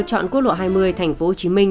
chọn quốc lộ hai mươi thành phố hồ chí minh